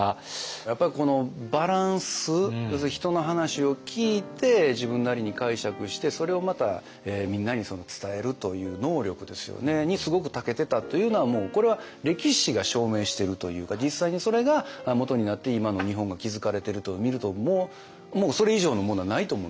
やっぱりこのバランス要するに人の話を聞いて自分なりに解釈してそれをまたみんなに伝えるという能力にすごくたけてたというのはこれは歴史が証明してるというか実際にそれがもとになって今の日本が築かれてると見るともうそれ以上のものはないと思うんですよ。